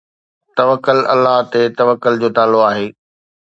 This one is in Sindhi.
توڪل الله تي توڪل جو نالو آهي